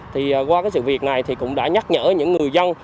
thì qua cái sự việc này thì cũng đã nhắc nhở những người dân